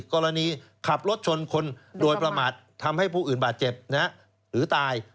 กรณีขับรถชนคนโดยประมาททำให้ผู้อื่นบาดเจ็บหรือตาย